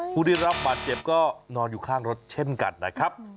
ผู้ได้รับบาดเจ็บก็นอนอยู่ข้างรถเช่นกันนะครับ